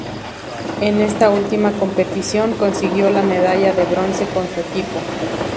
En esta última competición consiguió la medalla de bronce con su equipo.